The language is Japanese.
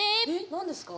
何ですか？